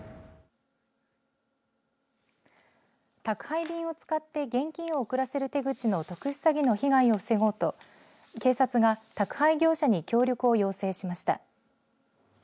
宅配便を使って現金を送らせる手口の特殊詐欺の被害を防ごうと警察が宅配業者に協力を要請しました。